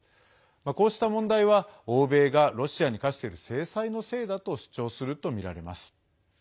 こうした問題は欧米がロシアに科している制裁のせいだと主張するとみられます。